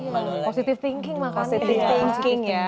positif thinking makanya